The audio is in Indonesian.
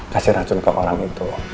kasih racun ke orang itu